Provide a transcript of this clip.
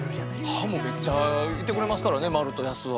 ハモめっちゃいってくれますからねマルとヤスは。